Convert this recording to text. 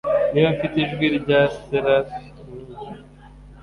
niba mfite ijwi rya serafi nkiyi